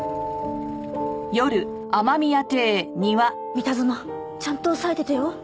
三田園ちゃんと押さえててよ。